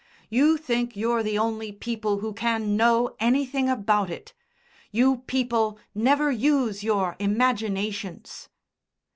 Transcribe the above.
You think you're the only people who can know anything about it. You people never use your imaginations."